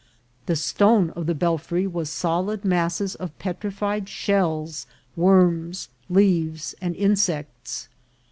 The stone of the belfry was solid masses of petrified shells, worms, leaves, and insects.